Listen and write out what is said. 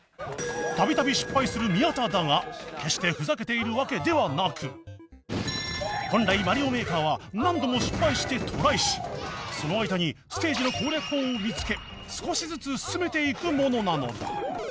度々失敗する宮田だが決して本来『マリオメーカー』は何度も失敗してトライしその間にステージの攻略法を見つけ少しずつ進めていくものなのだ